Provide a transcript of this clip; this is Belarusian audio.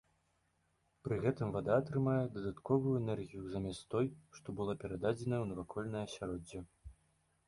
Пры гэтым вада атрымае дадатковую энергію замест той, што была перададзеная ў навакольнае асяроддзе.